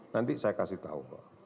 nanti saya kasih tahu